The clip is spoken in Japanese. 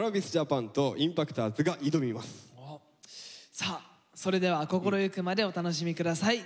さあそれでは心ゆくまでお楽しみ下さい。